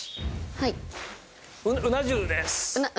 はい。